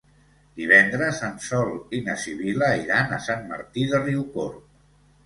Divendres en Sol i na Sibil·la iran a Sant Martí de Riucorb.